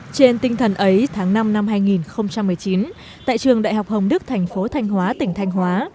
trên tinh thần ấy tháng năm năm hai nghìn một mươi chín tại trường đại học hồng đức thành phố thanh hóa tỉnh thanh hóa